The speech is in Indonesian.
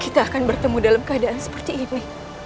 kita akan bertemu dalam keadaan seperti ini